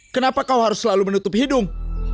kenapa kau harus selalu menutup hidung